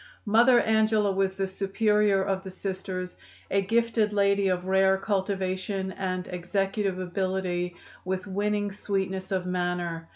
"Mother Angela was the Superior of the Sisters a gifted lady of rare cultivation and executive ability with winning sweetness of manner.